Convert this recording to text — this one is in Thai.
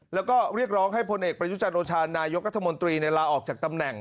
แล้วก็เรียกร้องให้พลเอกประยุจันทร์โอชานายกรัฐมนตรีลาออกจากตำแหน่ง